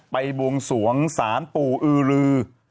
บวงสวงศาลปู่อือลือ